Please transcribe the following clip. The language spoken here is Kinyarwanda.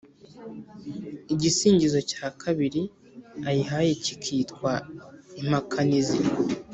igisingizo cya kabiri ayihaye kikitwa impakanizi,